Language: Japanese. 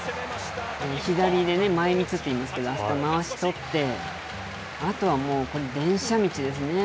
左でね、前みつといいますけど、まわし取って、あとはもう、電車道ですね。